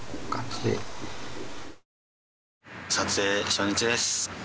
撮影初日です。